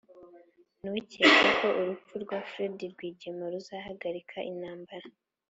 ntukeke ko urupfu rwa fred rwigema ruzahagarika intambara.